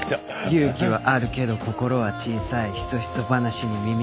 「勇気はあるけど心は小さいヒソヒソ話に耳が痛い」